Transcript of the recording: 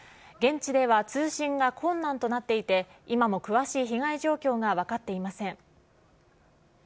現地では通信が困難となっていて、今も詳しい被害状況が分かっていません。